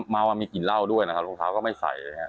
เมามีกลิ่นเหล้าด้วยนะครับรองเท้าก็ไม่ใส่เลยฮะ